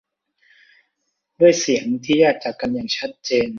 ด้วยเสียงที่แยกจากกันอย่างชัดเจน